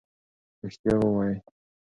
ریښتیا ووایئ.